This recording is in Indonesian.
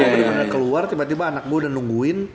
gue pernah keluar tiba tiba anak gue udah nungguin